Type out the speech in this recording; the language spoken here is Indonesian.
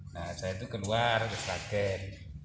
saya itu keluar ke sragen